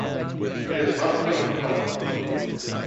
It is roughly in size.